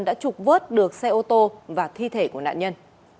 đã trục vớt được xe ô tô và thi thể của nạn nhân